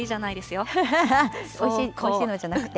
おいしいのじゃなくて。